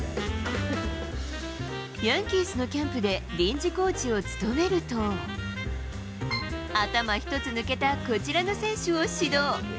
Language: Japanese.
ヤンキースのキャンプで臨時コーチを務めると、頭一つ抜けた、こちらの選手を指導。